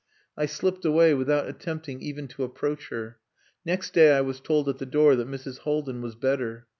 I slipped away without attempting even to approach her. Next day I was told at the door that Mrs. Haldin was better.